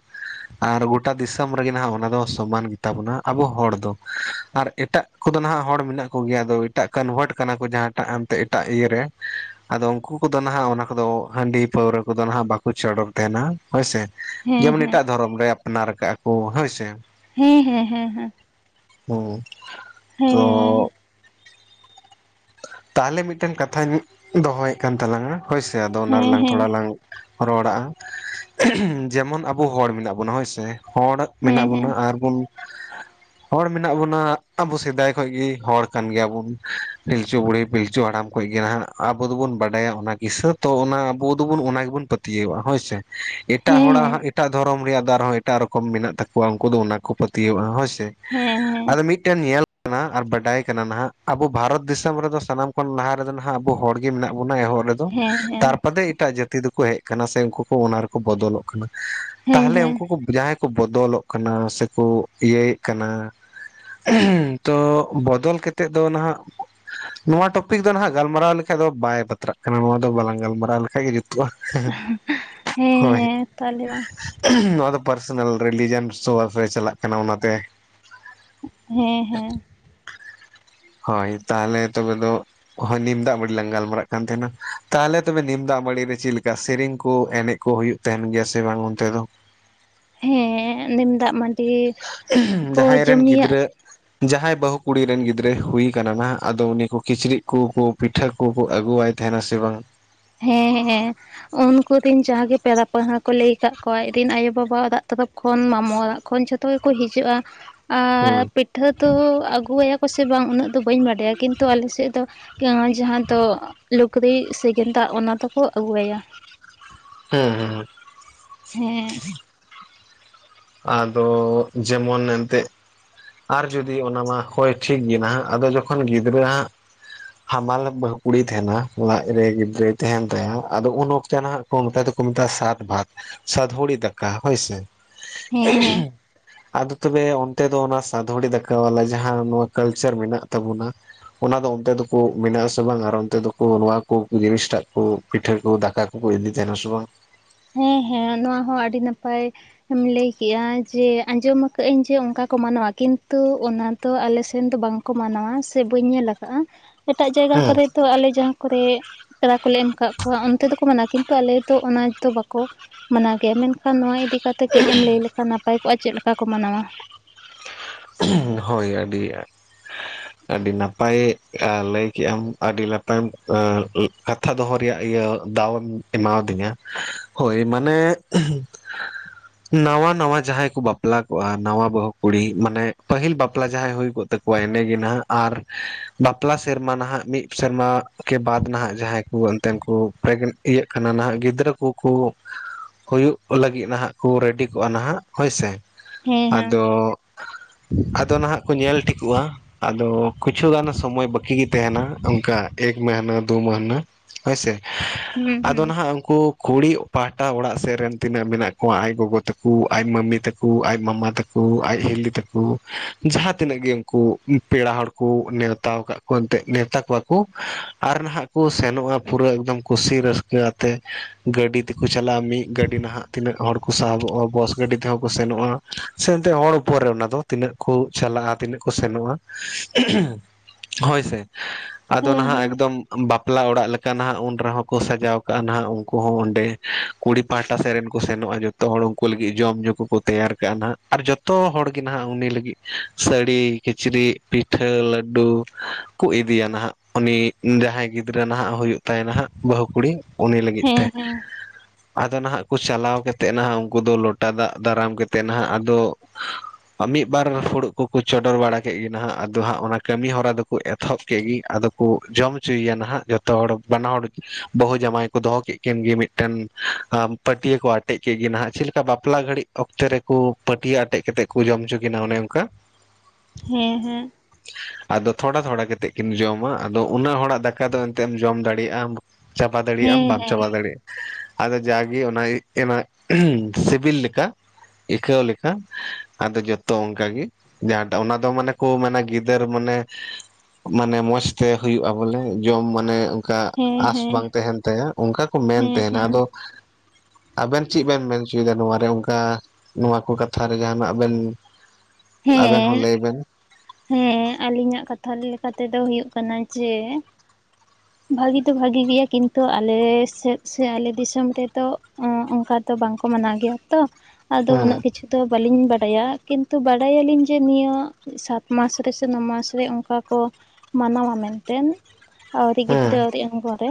ᱟᱨ ᱜᱚᱴᱟ ᱫᱤᱥᱚᱢ ᱨᱮᱜᱮ ᱦᱟᱜ ᱚᱱᱟ ᱫᱚ ᱥᱚᱢᱟᱱ ᱜᱮ ᱛᱟᱵᱚᱱᱟ ᱟᱵᱚ ᱦᱚᱲ ᱫᱚ᱾ ᱟᱨ ᱮᱴᱟᱜ ᱠᱚᱫᱚ ᱱᱟᱦᱟᱜ ᱦᱚᱲ ᱢᱮᱱᱟᱜ ᱠᱚᱜᱮᱭᱟ ᱟᱫᱚ ᱮᱴᱟᱜ ᱠᱚᱱᱵᱷᱟᱨᱴ ᱟᱠᱟᱱᱟ ᱠᱚ ᱡᱟᱦᱟᱸᱴᱟᱜ ᱮᱛᱮᱡ ᱮᱴᱟᱜ ᱤᱭᱟᱹ ᱨᱮ᱾ ᱟᱫᱚ ᱩᱱᱠᱩ ᱠᱚᱫᱚ ᱦᱟᱜ ᱚᱱᱟ ᱠᱚᱫᱚ ᱦᱟᱺᱰᱤ ᱯᱟᱹᱣᱨᱟᱹ ᱠᱚᱫᱚ ᱦᱟᱜ ᱵᱟᱠᱚ ᱪᱚᱰᱚᱨ ᱛᱟᱦᱮᱱᱟ᱾ ᱦᱳᱭ ᱥᱮ ᱦᱮᱸ ᱡᱮᱢᱚᱱ ᱦᱮᱸ ᱮᱴᱟᱜ ᱫᱷᱚᱨᱚᱢ ᱨᱮ ᱟᱯᱱᱟᱨ ᱟᱠᱟᱜᱼᱟ ᱠᱚ ᱦᱳᱭ ᱥᱮ᱾ ᱦᱮᱸ, ᱦᱮᱸ, ᱦᱮᱸ, ᱦᱮᱸ᱾ ᱦᱩᱸ, ᱛᱚ ᱛᱟᱦᱚᱞᱮ ᱢᱤᱫᱴᱮᱱ ᱠᱟᱛᱷᱟᱧ ᱫᱚᱦᱚᱭᱮᱫ ᱠᱟᱱ ᱛᱟᱞᱟᱝᱟ ᱦᱳᱭ ᱥᱮ ᱟᱫᱚ ᱚᱱᱟ ᱦᱮᱸ ᱨᱮᱞᱟᱝ ᱦᱮᱸ ᱛᱷᱚᱲᱟ ᱞᱟᱝ ᱨᱚᱲ ᱟᱜᱼᱟ ᱡᱮᱢᱚᱱ ᱟᱵᱚ ᱦᱚᱲ ᱢᱮᱱᱟᱜ ᱵᱚᱱᱟ ᱦᱳᱭ ᱥᱮ, ᱦᱚᱲ ᱢᱮᱱᱟᱜ ᱦᱮᱸ ᱵᱚᱱᱟ ᱟᱨ ᱵᱩᱱ ᱦᱚᱲ ᱢᱮᱱᱟᱜ ᱵᱚᱱᱟ ᱟᱵᱚ ᱥᱮᱫᱟᱭ ᱠᱷᱚᱱ ᱜᱮ ᱦᱚᱲ ᱠᱟᱱ ᱜᱮᱭᱟ ᱵᱚᱱ᱾ ᱯᱤᱞᱪᱩ ᱵᱩᱲᱦᱤ ᱯᱤᱞᱪᱩ ᱦᱟᱲᱟᱢ ᱠᱷᱚᱱ ᱜᱮ ᱱᱟᱦᱟᱜ ᱟᱵᱚ ᱫᱚᱵᱚᱱ ᱵᱟᱰᱟᱭᱟ ᱚᱱᱟ ᱠᱤᱥᱟᱹ ᱛᱚ ᱚᱱᱟ ᱟᱵᱚ ᱫᱚᱵᱚᱱ ᱚᱱᱟ ᱜᱮᱵᱚᱱ ᱯᱟᱹᱛ ᱭᱟᱹᱣ ᱟᱜ-ᱟ ᱦᱳᱭ ᱥᱮ᱾ ᱮᱴᱟᱜ ᱦᱚᱲᱟᱜ ᱦᱮᱸ ᱦᱮᱸ ᱦᱟᱜ ᱮᱴᱟᱜ ᱫᱷᱚᱨᱚᱢ ᱨᱮᱭᱟᱜ ᱫᱟᱨ ᱦᱚᱸ ᱮᱴᱟᱜ ᱨᱚᱠᱚᱢ ᱢᱮᱱᱟᱜ ᱛᱟᱠᱚᱣᱟ ᱩᱱᱠᱩ ᱫᱚ ᱚᱱᱟ ᱠᱚ ᱯᱟᱹᱛᱭᱟᱹᱣᱟᱜᱼᱟ ᱦᱳᱭ ᱥᱮ᱾ ᱦᱮᱸ, ᱦᱮᱸ᱾ ᱟᱫᱚ ᱢᱤᱫᱴᱮᱱ ᱧᱮᱞ ᱟᱠᱟᱱᱟ ᱟᱨ ᱵᱟᱰᱟᱭ ᱟᱠᱟᱱᱟ ᱱᱟᱦᱟᱜ ᱟᱵᱚ ᱵᱷᱟᱨᱚᱛ ᱫᱤᱥᱚᱢ ᱨᱮᱫᱚ ᱥᱟᱱᱟᱢ ᱠᱷᱚᱱ ᱞᱟᱦᱟ ᱨᱮᱫᱚ ᱱᱟᱜ ᱟᱵᱚ ᱦᱚᱲ ᱜᱮ ᱢᱮᱱᱟᱜ ᱵᱚᱱᱟ ᱮᱦᱚᱵ ᱨᱮᱫᱚ ᱦᱮᱸ ᱦᱮᱸ ᱦᱮᱸ ᱛᱟᱨ ᱯᱟᱫᱮ ᱮᱴᱟᱜ ᱡᱟᱹ ᱛᱤ ᱫᱚᱠᱚ ᱦᱮᱡ ᱟᱠᱟᱱᱟ ᱥᱮ ᱩᱱᱠᱩ ᱠᱚ ᱚᱱᱟ ᱨᱮᱠᱚ ᱵᱚᱫᱚᱞᱚᱜ ᱠᱟᱱᱟ ᱦᱮᱸ ᱦᱮᱸ ᱦᱮᱸ ᱛᱟᱦᱚᱞᱮ ᱦᱮᱸ ᱩᱱᱠᱩ ᱠᱚ ᱡᱟᱦᱟᱸᱭ ᱠᱚ ᱵᱚᱫᱚᱞᱚᱜ ᱠᱟᱱᱟ ᱥᱮ ᱠᱚ ᱤᱭᱟᱹᱭᱮᱫ ᱠᱟᱱᱟ᱾ ᱛᱚ ᱵᱚᱫᱚᱞ ᱠᱟᱛᱮᱫ ᱫᱚ ᱱᱟᱦᱟᱜ ᱱᱚᱣᱟ ᱴᱚᱯᱤᱠ ᱫᱚ ᱱᱟᱦᱟᱜ ᱜᱟᱞᱢᱟᱨᱟᱣ ᱞᱮᱠᱷᱟᱡ ᱫᱚ ᱵᱟᱭ ᱵᱟᱛᱨᱟᱜ ᱠᱟᱱᱟ ᱱᱚᱣᱟ ᱫᱚ ᱵᱟᱞᱟᱝ ᱜᱟᱞᱢᱟᱨᱟᱣ ᱞᱮᱠᱷᱟᱡ ᱜᱮ ᱡᱩᱛᱩᱜᱼᱟ᱾ ᱦᱮᱸ ᱦᱳᱭ᱾ ᱦᱮᱸ ᱛᱟᱦᱚᱞᱮ ᱢᱟ ᱱᱚᱣᱟ ᱫᱚ ᱯᱟᱨᱥᱳᱱᱟᱞ ᱨᱤᱞᱤᱡᱤᱭᱚᱱ ᱥᱳ ᱟᱯ ᱨᱮ ᱪᱟᱞᱟᱜ ᱠᱟᱱᱟ ᱚᱱᱟ ᱛᱮ ᱦᱮᱸ, ᱦᱮᱸ᱾ ᱦᱳᱭ ᱛᱟᱦᱚᱞᱮ ᱛᱚᱵᱮ ᱫᱚ ᱦᱳᱭ ᱱᱤᱢ ᱫᱟᱜ ᱢᱟᱹᱲᱤ ᱞᱟᱝ ᱜᱟᱞᱢᱟᱨᱟᱜ ᱠᱟᱱ ᱛᱟᱦᱮᱱᱟ ᱛᱟᱦᱚᱞᱮ ᱛᱚᱵᱮ ᱱᱤᱢ ᱫᱟᱜ ᱢᱟᱹᱲᱤ ᱨᱮ ᱪᱮᱫ ᱞᱮᱠᱟ ᱥᱮᱨᱮᱧ ᱠᱚ ᱮᱱᱮᱡ ᱠᱚ ᱦᱩᱭᱩᱜ ᱛᱟᱦᱮᱱ ᱜᱮᱭᱟ ᱥᱮ ᱵᱟᱝ ᱚᱱᱛᱮ ᱫᱚ? ᱦᱮᱸ ᱱᱤᱢ ᱫᱟᱜ ᱢᱟᱹᱰᱤ ᱠᱚ ᱡᱟᱦᱟᱸᱭ ᱡᱚᱢ ᱨᱮᱱ ᱧᱩᱭᱟᱜ ᱜᱤᱫᱽᱨᱟᱹ ᱡᱟᱦᱟᱸᱭ ᱵᱟᱹᱦᱩ ᱠᱩᱲᱤ ᱨᱮᱱ ᱜᱤᱫᱽᱨᱟᱹ ᱦᱩᱭ ᱠᱟᱱᱟ ᱱᱟᱦᱟᱜ ᱟᱫᱚ ᱩᱱᱤ ᱠᱩ ᱠᱤᱪᱨᱤᱡ ᱠᱚᱠᱚ ᱯᱤᱴᱷᱟᱹ ᱠᱚᱠᱚ ᱟᱹᱜᱩᱣᱟᱭ ᱛᱟᱦᱮᱱᱟ ᱥᱮ ᱵᱟᱝ? ᱦᱮᱸ, ᱦᱮᱸ᱾ ᱩᱱᱠᱩ ᱨᱤᱱ ᱡᱟᱦᱟᱸ ᱜᱮ ᱯᱮᱲᱟ ᱯᱟᱹᱲᱦᱟᱹ ᱠᱚ ᱞᱟᱹᱭ ᱟᱠᱟᱫ ᱠᱚᱣᱟ ᱟᱡ ᱨᱮᱱ ᱟᱭᱳ-ᱵᱟᱵᱟ ᱚᱲᱟᱜ ᱛᱚᱨᱚᱯ ᱠᱷᱚᱱ ᱢᱟᱢᱚ ᱚᱲᱟᱜ ᱠᱷᱚᱱ ᱡᱷᱚᱛᱚ ᱜᱮᱠᱚ ᱦᱤᱡᱩᱜ-ᱟ᱾ ᱦᱩᱸ ᱟᱨ ᱯᱤᱴᱷᱟᱹ ᱫᱚ ᱟᱹᱜᱩᱣᱟᱭᱟ ᱠᱚ ᱥᱮ ᱵᱟᱝ ᱩᱱᱟᱹᱜ ᱫᱚ ᱵᱟᱧ ᱵᱟᱰᱟᱭᱟ ᱠᱤᱱᱛᱩ ᱟᱞᱮ ᱥᱮᱫ ᱫᱚ ᱡᱟᱦᱟᱸ ᱫᱚ ᱞᱩᱠᱲᱤᱡ ᱥᱮ ᱜᱮᱸᱫᱟᱜ ᱚᱱᱟ ᱫᱚᱠᱚ ᱟᱜᱩ ᱟᱭᱟ᱾ ᱦᱩᱸ, ᱦᱩᱸ᱾ ᱦᱮᱸ᱾ ᱟᱫᱚ ᱡᱮᱢᱚᱱ ᱮᱱᱛᱮᱜ ᱟᱨ ᱡᱩᱫᱤ ᱚᱱᱟᱢᱟ ᱦᱳᱭ ᱴᱷᱤᱠ ᱜᱮ ᱱᱟᱦᱟᱸᱜ ᱟᱫᱚ ᱡᱚᱠᱷᱚᱱ ᱜᱤᱫᱽᱨᱟᱹ ᱦᱟᱸᱜ ᱦᱟᱢᱟᱞ ᱵᱟᱹᱦᱩ ᱠᱩᱲᱤ ᱛᱟᱦᱮᱸᱱᱟ ᱞᱟᱡ ᱨᱮ ᱜᱤᱫᱽᱨᱟᱹᱭ ᱛᱟᱦᱮᱸᱱ ᱛᱟᱭᱟ ᱟᱫᱚ ᱩᱱ ᱚᱠᱛᱮ ᱱᱟᱦᱟᱸᱜ ᱠᱚ [unintelligible] ᱫᱚ ᱠᱚ ᱢᱮᱛᱟᱭ ᱥᱟᱛ ᱵᱷᱟᱛ ᱥᱟᱫ ᱵᱷᱩᱲᱤ ᱫᱟᱠᱟ ᱦᱳᱭ ᱥᱮ, ᱦᱮᱸ ᱦᱮᱸ ᱟᱫᱚ ᱛᱚᱵᱮ ᱚᱱᱛᱮ ᱫᱚ ᱚᱱᱟ ᱥᱟᱫᱵᱷᱩᱲᱤ ᱫᱟᱠᱟ ᱵᱟᱞᱟ ᱡᱟᱦᱟᱸ ᱱᱚᱣᱟ ᱠᱟᱞᱪᱟᱨ ᱢᱮᱱᱟᱜ ᱛᱟᱵᱚᱱᱟ, ᱚᱱᱟ ᱫᱚ ᱚᱱᱛᱮ ᱫᱚᱠᱚ ᱢᱮᱱᱟᱜ-ᱟ ᱥᱮ ᱵᱟᱝ ᱟᱨ ᱚᱱᱛᱮ ᱫᱚᱠᱚ ᱱᱚᱣᱟ ᱠᱚ ᱡᱤᱱᱤᱥᱴᱟᱜ ᱠᱩ ᱯᱤᱴᱟᱹ ᱠᱩ ᱫᱟᱠᱟ ᱠᱩᱠᱩ ᱤᱫᱤᱭ ᱛᱟᱦᱮᱸᱱᱟ ᱥᱮ ᱵᱟᱝ? ᱦᱮᱸ ᱦᱮᱸ ᱱᱚᱣᱟ ᱦᱚᱸ ᱟᱹᱰᱤ ᱱᱟᱯᱟᱭ ᱮᱢ ᱞᱟᱹᱭ ᱠᱮᱜ-ᱟ ᱡᱮ ᱟᱸᱡᱚᱢ ᱠᱟᱫᱟᱹᱧ ᱡᱮ ᱚᱱᱠᱟ ᱠᱚ ᱢᱟᱱᱟᱣᱟ, ᱠᱤᱱᱛᱩ ᱚᱱᱟ ᱛᱚ ᱟᱞᱮ ᱥᱮᱱ ᱫᱚ ᱵᱟᱝ ᱠᱚ ᱢᱟᱱᱟᱣᱟ ᱥᱮ ᱵᱟᱹᱧ ᱧᱮᱞ ᱠᱟᱜ-ᱟ, ᱮᱴᱟᱜ ᱡᱟᱭᱜᱟ ᱠᱚᱨᱮ ᱦᱮᱸ ᱛᱚ ᱟᱞᱮ ᱡᱟᱦᱟᱸ ᱠᱚᱨᱮᱜ ᱯᱮᱲᱟ ᱠᱚᱞᱮ ᱮᱢ ᱠᱟᱜ ᱠᱚᱣᱟ ᱚᱱᱛᱮ ᱫᱚᱠᱚ ᱢᱟᱱᱟᱣᱟ ᱠᱤᱱᱛᱩ ᱟᱞᱮ ᱫᱚ ᱚᱱᱟ ᱛᱚ ᱵᱟᱠᱚ ᱢᱟᱱᱟᱣ ᱜᱮᱭᱟ, ᱢᱮᱱᱠᱷᱟᱱ ᱱᱚᱣᱟ ᱤᱫᱤ ᱠᱟᱛᱮᱫ ᱠᱟᱹᱡ ᱮᱢ ᱞᱟᱹᱭ ᱞᱮᱠᱷᱟᱱ ᱱᱟᱯᱟᱭ ᱠᱚᱜ-ᱟ ᱪᱮᱫ ᱞᱮᱠᱟ ᱠᱚ ᱢᱟᱱᱟᱣᱟ᱾ ᱦᱳᱭ ᱟᱹᱰᱤ ᱟᱹᱰᱤ ᱱᱟᱯᱟᱭ ᱟ ᱞᱟᱹᱭ ᱠᱮᱜ ᱟᱢ ᱟᱹᱰᱤ ᱞᱟᱛᱟᱢ ᱠᱟᱛᱷᱟ ᱫᱚᱦᱚ ᱨᱮᱭᱟᱜ ᱤᱭᱟᱹ ᱫᱟᱣᱮᱢ ᱮᱢᱟᱫᱤᱧᱟ ᱦᱳᱭ ᱢᱟᱱᱮ [unintelligible] ᱱᱟᱶᱟ ᱱᱟᱶᱟ ᱡᱟᱦᱟᱸᱭ ᱠᱚ ᱵᱟᱯᱞᱟ ᱠᱚᱜᱼᱟ ᱱᱟᱣᱟ ᱵᱟᱦᱩ ᱠᱩᱲᱤ ᱢᱟᱱᱮ ᱯᱟᱹᱦᱤᱞ ᱵᱟᱯᱞᱟ ᱡᱟᱦᱟᱸᱭ ᱦᱩᱭ ᱠᱚᱜ ᱛᱟᱠᱚᱣᱟ ᱮᱱᱮ ᱜᱮ ᱱᱟᱦᱟᱸᱜ ᱟᱨ ᱵᱟᱯᱞᱟ ᱥᱮᱨᱢᱟ ᱱᱟᱦᱟᱸᱜ ᱢᱤᱜ ᱥᱮᱨᱢᱟ ᱠᱮ ᱵᱟᱫ ᱱᱟᱦᱟᱸᱜ ᱡᱟᱦᱟᱸᱭ ᱠᱩ ᱮᱱᱛᱮ ᱠᱩ ᱯᱨᱮᱜᱽ ᱤᱭᱟᱹᱜ ᱠᱟᱱᱟ ᱱᱟᱦᱟᱸᱜ ᱜᱤᱫᱽᱨᱟᱹ ᱠᱩᱠᱩ [unintelligible] ᱦᱩᱭᱩᱜ ᱞᱟᱹᱜᱤᱫ ᱱᱟᱦᱟᱸᱜ ᱠᱚ ᱨᱮᱰᱤ ᱠᱚᱜ-ᱟ ᱱᱟᱦᱟᱸᱜ ᱦᱳᱭ ᱥᱮ ᱦᱮᱸ ᱟᱫᱚ ᱦᱮᱸ [inaudible] ᱟᱫᱚ ᱱᱟᱦᱟᱸᱜ ᱠᱚ ᱧᱮᱞ ᱴᱷᱤᱠᱚᱜᱼᱟ ᱟᱫᱚ ᱠᱤᱪᱷᱩ ᱜᱟᱱ ᱥᱚᱢᱚᱭ ᱵᱟᱹᱠᱤᱜᱤ ᱛᱟᱦᱮᱸᱱᱟ ᱚᱱᱠᱟ ᱮᱠ ᱢᱟᱹᱦᱱᱟᱹ ᱫᱩ ᱢᱟᱹᱦᱱᱟᱹ ᱦᱳᱭ ᱥᱮ ᱦᱩᱸ ᱟᱫᱚ ᱦᱩᱸ ᱱᱟᱦᱟᱸᱜ ᱩᱱᱠᱩ ᱠᱩᱲᱤ ᱯᱟᱦᱴᱟ ᱚᱲᱟᱜ ᱥᱮᱫ ᱨᱮᱱ ᱛᱤᱱᱟᱹᱜ ᱢᱮᱱᱟᱜ ᱠᱚᱣᱟ ᱟᱡ ᱜᱚᱜᱚ ᱛᱟᱠᱚ ᱟᱡ ᱢᱟᱢᱤ ᱛᱟᱠᱚ ᱟᱡ ᱢᱟᱢᱟ ᱛᱟᱠᱚ ᱟᱡ ᱦᱤᱞᱤ ᱛᱟᱠᱩ ᱡᱟᱦᱟᱸ ᱛᱤᱱᱟᱹᱜ ᱜᱤ ᱩᱱᱠᱩ ᱯᱮᱲᱟ ᱦᱚᱲ ᱠᱩ ᱱᱮᱣᱛᱟ ᱠᱟᱜ ᱠᱩ ᱮᱱᱛᱮᱜ ᱱᱮᱣᱛᱟ ᱠᱚᱣᱟ ᱠᱩ ᱟᱨ ᱱᱟᱦᱟᱸᱜ ᱠᱚ ᱥᱮᱱᱚᱜᱼᱟ ᱯᱩᱨᱟᱹ ᱮᱠᱫᱚᱢ ᱠᱩᱥᱤ ᱨᱟᱹᱥᱠᱟᱹ ᱛᱮ ᱜᱟᱹᱰᱤ ᱛᱮᱠᱚ ᱪᱟᱞᱟᱜᱼᱟ ᱢᱤᱫ ᱜᱟᱹᱰᱤ ᱱᱟᱦᱟᱜ ᱛᱤᱱᱟᱹᱜ ᱦᱚᱲ ᱠᱚ ᱥᱟᱦᱚᱵᱚᱜᱼᱟ ᱵᱚᱥ ᱜᱟᱹᱰᱤ ᱛᱮᱦᱚᱸ ᱠᱚ ᱥᱮᱱᱚᱜᱼᱟ ᱥᱮ ᱮᱱᱛᱮᱜ ᱦᱚᱲ ᱩᱯᱚᱨ ᱨᱮ ᱚᱱᱟ ᱫᱚ ᱛᱤᱱᱟᱹᱜ ᱠᱚ ᱪᱟᱞᱟᱜᱼᱟ ᱛᱤᱱᱟᱹᱜ ᱠᱚ ᱥᱮᱱᱚᱜᱼᱟ, ᱦᱳᱭ ᱥᱮ ᱟᱫᱚ ᱱᱟᱦᱟᱸᱜ ᱮᱠᱫᱚᱢ ᱵᱟᱯᱞᱟ ᱚᱲᱟᱜ ᱞᱮᱠᱟ ᱱᱟᱦᱟᱸᱜ ᱩᱱ ᱨᱮᱦᱚᱸ ᱠᱚ ᱥᱟᱡᱟᱣ ᱠᱟᱜ-ᱟ ᱱᱟᱦᱟᱸᱜ ᱩᱱᱠᱩ ᱦᱚᱸ ᱚᱸᱰᱮ᱾ ᱠᱩᱲᱤ ᱯᱟᱦᱴᱟ ᱥᱮᱫ ᱨᱮᱱ ᱠᱚ ᱥᱮᱱᱚᱜᱼᱟ ᱡᱚᱛᱚ ᱦᱚᱲ ᱩᱱᱠᱩ ᱞᱟᱹᱜᱤᱫ ᱡᱚᱢ ᱧᱩ ᱠᱚᱠᱚ ᱛᱮᱭᱟᱨ ᱠᱟᱜᱼᱟ ᱱᱟᱦᱟᱸᱜ ᱟᱨ ᱡᱚ ᱛᱚ ᱦᱚᱲ ᱜᱮ ᱱᱟᱦᱟᱸᱜ ᱩᱱᱤ ᱞᱟᱹᱜᱤᱫ ᱥᱟᱹᱲᱤ ᱠᱤᱪᱨᱤᱡ ᱯᱤᱴᱷᱟᱹ ᱞᱟᱹᱰᱩ ᱠᱚ ᱤᱫᱤᱭᱟ ᱱᱟᱦᱟᱸᱜ ᱩᱱᱤ ᱡᱟᱦᱟᱸᱭ ᱜᱤᱫᱽᱨᱟᱹ ᱱᱟᱦᱟᱸᱜ ᱦᱩᱭᱩᱜ ᱛᱟᱭ ᱱᱟᱦᱟᱸᱜ ᱵᱟᱹᱦᱩ ᱠᱩᱲᱤ ᱩᱱᱤ ᱞᱟᱹᱜᱤᱫ ᱦᱮᱸ ᱛᱮ᱾ ᱦᱮᱸ ᱟᱫᱚ ᱱᱟᱦᱟᱸᱜ ᱠᱚ ᱪᱟᱞᱟᱣ ᱠᱟ ᱠᱟᱛᱮᱫ ᱱᱟᱦᱟᱸᱜ ᱩᱱᱠᱩ ᱫᱚ ᱞᱚᱴᱟ ᱫᱟᱜ ᱫᱟᱨᱟᱢ ᱠᱟᱛᱮᱫ ᱱᱟᱦᱟᱸᱜ ᱟᱫᱚ ᱢᱤᱫ ᱵᱟᱨ ᱯᱷᱩᱲᱩᱜ ᱠᱩᱠᱩ ᱪᱚᱰᱚᱨ ᱵᱟᱲᱟ ᱠᱮᱫ ᱜᱮ ᱱᱟᱦᱟᱸᱜ ᱟᱫᱚ ᱦᱟᱸᱜ ᱚᱱᱟ ᱠᱟᱹᱢᱤ ᱦᱚᱨᱟ ᱫᱚᱠᱩ ᱮ ᱛᱷᱚᱯ ᱠᱮᱜ ᱜᱮ ᱟᱫᱚ ᱠᱩ ᱡᱚᱢ ᱦᱚᱪᱚᱭ ᱭᱟ ᱱᱟᱦᱟᱸᱜ ᱡᱚᱛᱚ ᱦᱚᱲ ᱵᱟᱱᱟ ᱦᱚᱲ ᱵᱟᱹᱦᱩ ᱡᱟᱢᱟᱭ ᱠᱚ ᱫᱚᱦᱚ ᱠᱮᱜ ᱠᱮᱱ ᱜᱮ ᱢᱤᱫᱴᱟᱱ ᱯᱟᱹᱴᱭᱟᱹ ᱠᱚ ᱟᱴᱮᱜ ᱠᱮᱜ ᱜᱮ ᱱᱟᱦᱟᱸᱜ ᱪᱮᱫ ᱞᱮᱠᱟ ᱵᱟᱯᱞᱟ ᱜᱷᱟᱹᱲᱤᱡ ᱚᱠᱛᱮ ᱨᱮᱠᱚ ᱯᱟᱹᱴᱤᱭᱟᱹ ᱟᱼᱼ ᱴᱮᱡ ᱠᱮᱛᱮᱡ ᱠᱚ ᱡᱚᱢ ᱦᱚᱪᱚ ᱠᱤᱱᱟ ᱚᱱᱮ ᱚᱱᱠᱟ, ᱦᱮᱸ ᱦᱮᱸ᱾ ᱟᱫᱚ ᱛᱷᱚᱲᱟ ᱛᱷᱚᱲᱟ ᱠᱮᱛᱮ ᱠᱤᱱ ᱡᱚᱢᱟ ᱟᱫᱚ ᱩᱱᱟᱹᱜ ᱦᱚᱲᱟᱜ ᱫᱟᱠᱟ ᱫᱚ ᱮᱱᱛᱮᱢ ᱡᱚᱢ ᱫᱟᱲᱮᱭᱟᱜᱼᱟ ᱾ ᱪᱟᱵᱟ ᱫᱟᱲᱮᱭᱟᱜ ᱟᱢ ᱦᱮᱸ ᱵᱟᱢ ᱦᱮᱸ ᱪᱟᱵᱟ ᱫᱟᱲᱮᱭᱟᱜᱼᱟ ᱾ ᱟᱫᱚ ᱡᱟᱜᱮ ᱚᱱᱟ ᱚᱱᱟ ᱥᱤᱵᱤᱞ ᱞᱮᱠᱟ ᱟᱹᱠᱟᱹᱣ ᱞᱮᱠᱟ ᱟᱫᱚ ᱡᱚᱛᱚ ᱚᱱᱠᱟᱜ ᱜᱤ ᱡᱟᱦᱟᱸᱴᱟᱜ ᱚᱱᱟ ᱫᱚ ᱢᱟᱱᱮ ᱠᱚ ᱢᱟᱱᱮ ᱜᱤᱫᱟᱹᱨ ᱢᱟᱱᱮᱼᱼ ᱢᱟᱱᱮ ᱢᱚᱸᱡᱽᱛᱮ ᱦᱩᱭᱩᱜᱼᱟ ᱵᱚᱞᱮ ᱡᱚᱢ ᱢᱟᱱᱮᱼᱼ ᱚᱱᱠᱟ ᱦᱮᱸ ᱦᱮᱸ ᱟᱸᱥ ᱦᱮᱸ ᱵᱟᱝ ᱛᱟᱦᱮᱱ ᱛᱟᱭᱟ ᱚᱱᱠᱟ ᱠᱚ ᱢᱮᱱ ᱦᱮᱸ ᱦᱮᱸ ᱛᱟᱸᱦᱮᱱ ᱦᱮᱸ ᱟᱫᱚᱼᱼ ᱟᱵᱮᱱ ᱪᱤᱜ ᱵᱮᱱ ᱢᱮᱱ ᱩᱪᱩᱭᱫᱟ ᱱᱚᱣᱟᱨᱮ ᱚᱱᱠᱟ ᱱᱚᱣᱟ ᱠᱚ ᱠᱟᱛᱷᱟᱨᱮ ᱡᱟᱦᱟᱱᱟᱜ ᱵᱮᱱᱼᱼ ᱟᱵᱮᱱ ᱦᱮᱸ ᱦᱚᱸ ᱞᱟᱹᱭ ᱵᱮᱱᱼᱼ ᱦᱮᱸ ᱟᱹᱞᱤᱧᱟᱜ ᱠᱟᱛᱷᱟ ᱞᱮᱠᱟ ᱛᱮᱫᱚ ᱦᱩᱭᱩᱜ ᱠᱟᱱᱟ ᱡᱮᱼᱼ ᱵᱷᱟᱹᱜᱤ ᱫᱚ ᱵᱷᱟᱜᱤ ᱜᱮᱭᱟ ᱠᱤᱱᱛᱩ ᱟᱞᱮ ᱥᱮᱫ ᱥᱮ ᱟᱞᱮ ᱫᱤᱥᱚᱢ ᱨᱮᱫᱚ ᱚᱱᱠᱟᱼᱼ ᱛᱚ ᱵᱟᱝᱠᱚ ᱢᱟᱱᱟᱣ ᱜᱮᱭᱟ ᱛᱚ ᱟᱫᱚ ᱦᱮᱸ ᱩᱱᱟᱹᱜ ᱠᱤᱪᱷᱩ ᱫᱚ ᱵᱟᱹᱞᱤᱧ ᱵᱟᱰᱟᱭᱟ ᱠᱤᱱᱛᱩᱼᱼ ᱛᱚ ᱵᱟᱰᱟᱭᱟᱞᱤᱧ ᱡᱮ ᱱᱤᱭᱟᱹ ᱥᱟᱛᱢᱟᱥ ᱨᱮ ᱥᱮ ᱱᱚ ᱢᱟᱥᱨᱮ ᱚᱱᱠᱟ ᱠᱚᱼᱼ ᱢᱟᱱᱟᱣᱟ ᱢᱮᱱᱛᱮᱱ ᱟᱹᱣᱨᱤ ᱦᱮᱸ ᱛᱤᱛᱮ ᱟᱹᱣᱨᱤ ᱮᱢᱚᱜ ᱯᱚᱨᱮ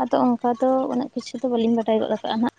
ᱟᱫᱚ ᱚᱝᱠᱟ ᱫᱚ ᱩᱱᱟᱹᱜ ᱠᱤᱪᱷᱩ ᱫᱚ ᱵᱟᱹᱞᱤᱧ ᱵᱟᱰᱟᱭ ᱜᱚᱫ ᱟᱠᱟᱜᱼᱟ ᱱᱟᱦᱟᱜᱼᱼ